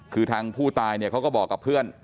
คือทางผู้ตายเนี่ยเขาก็บอกกับเพื่อน